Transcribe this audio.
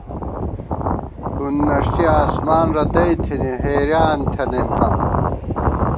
تُھون نݭٹی آسمان رتئ تھنی حیریان تھنَئیم آں